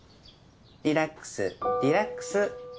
リラックスリラックス。